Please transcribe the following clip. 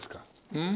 うん！